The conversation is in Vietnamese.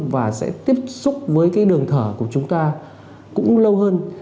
và sẽ tiếp xúc với cái đường thở của chúng ta cũng lâu hơn